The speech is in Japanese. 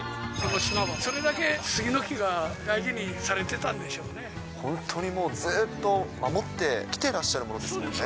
それだけ杉の木が大事にされ本当にもう、ずっと守ってきてらっしゃるものですものね。